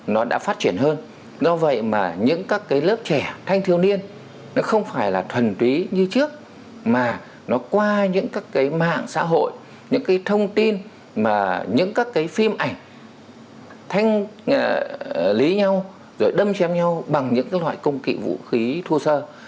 nó đã phát triển hơn do vậy mà những các cái lớp trẻ thanh thiếu niên nó không phải là thuần túy như trước mà nó qua những các cái mạng xã hội những cái thông tin những các cái phim ảnh thanh lý nhau rồi đâm chém nhau bằng những loại công kỵ vũ khí thu sơ